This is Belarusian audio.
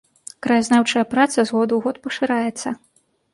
Краязнаўчая праца з году ў год пашыраецца.